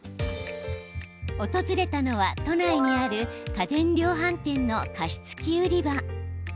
訪れたのは、都内にある家電量販店の加湿器売り場。